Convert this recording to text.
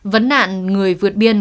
vấn nạn người vượt biên